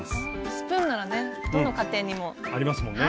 スプーンならねどの家庭にも。ありますもんね。